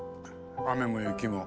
雨も雪も。